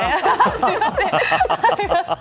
すいません。